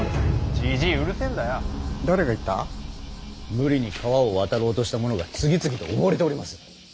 無理に川を渡ろうとした者が次々と溺れております。